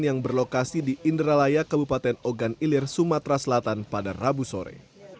yang berlokasi di indralaya kabupaten ogan ilir sumatera selatan pada rabu sore